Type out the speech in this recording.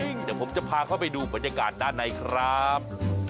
เดี๋ยวผมจะพาเข้าไปดูบรรยากาศด้านในครับ